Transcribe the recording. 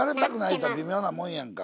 言うたら微妙なもんやんか。